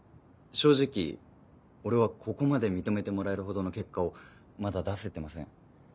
正直俺はここまで認めてもらえるほどの結果をまだ出せてません。